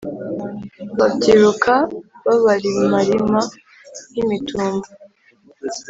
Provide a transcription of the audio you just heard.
babyiruka Babarimarima nk’imitumba !